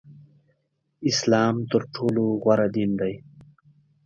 اسلام تر ټولو غوره دین دی